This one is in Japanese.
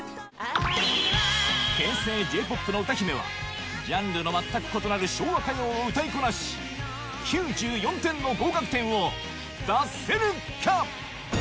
平成Ｊ−ＰＯＰの歌姫はジャンルの全く異なる昭和歌謡を歌いこなし９４点の合格点を出せるか